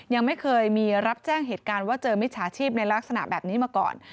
ยังไม่เคยมีรับแจ้งเหตุการณ์ว่าเจอมิจฉาชีพในลักษณะแบบนี้มาก่อน